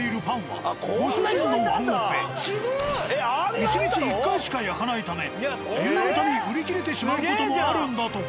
１日１回しか焼かないため夕方に売り切れてしまう事もあるんだとか。